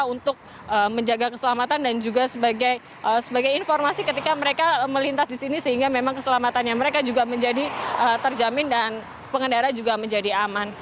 untuk menjaga keselamatan dan juga sebagai informasi ketika mereka melintas di sini sehingga memang keselamatannya mereka juga menjadi terjamin dan pengendara juga menjadi aman